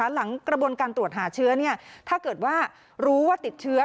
หลังกระบวนการตรวจหาเชื้อถ้าเกิดว่ารู้ว่าติดเชื้อ